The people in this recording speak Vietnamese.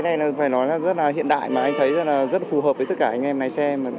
cái này phải nói là rất hiện đại mà anh thấy rất là phù hợp với tất cả anh em lái xe